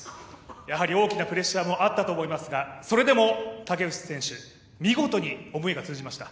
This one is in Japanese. やはり大きなプレッシャーもあったと思いますがそれでも武内選手、見事に思いが通じました。